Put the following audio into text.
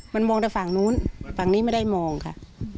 มันมองแต่ฝั่งนู้นฝั่งนี้ไม่ได้มองค่ะ